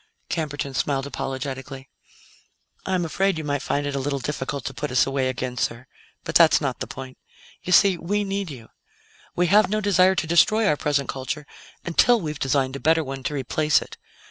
Camberton smiled apologetically. "I'm afraid you might find it a little difficult to put us away again, sir; but that's not the point. You see, we need you. We have no desire to destroy our present culture until we have designed a better one to replace it.